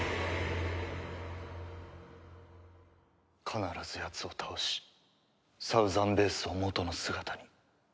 必ずやつを倒しサウザンベースを元の姿に。